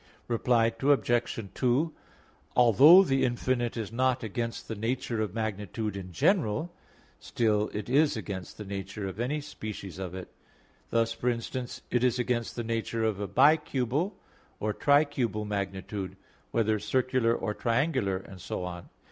Reply Obj. 2: Although the infinite is not against the nature of magnitude in general, still it is against the nature of any species of it; thus, for instance, it is against the nature of a bicubical or tricubical magnitude, whether circular or triangular, and so on.